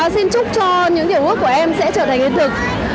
xin chúc cho những điều ước của em sẽ trở thành hiện thực